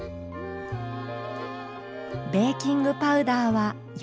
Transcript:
ベーキングパウダーは４ｇ。